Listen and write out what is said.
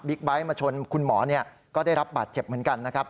ไบท์มาชนคุณหมอก็ได้รับบาดเจ็บเหมือนกันนะครับ